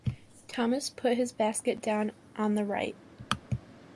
Thomas put his basket down on the right.